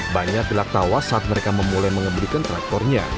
banyak dilak tawa saat mereka memulai mengembudikan traktornya